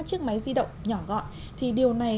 chiếc máy di động nhỏ gọn thì điều này